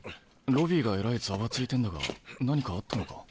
ロビーがえらいざわついてんだが何かあったのか？